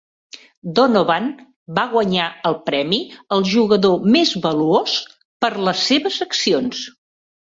Donovan va guanyar el premi al jugador més valuós per les seves accions.